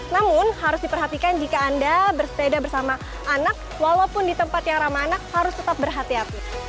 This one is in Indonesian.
namun harus diperhatikan jika anda bersepeda bersama anak walaupun di tempat yang ramah anak harus tetap berhati hati